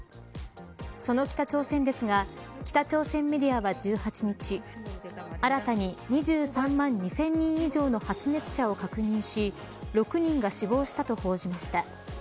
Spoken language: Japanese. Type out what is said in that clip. その北朝鮮ですが北朝鮮メディアは１８日新たに２３万２０００人以上の発熱者を確認し６人が死亡したと報じました。